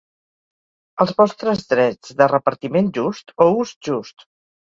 Els vostres drets de repartiment just o ús just.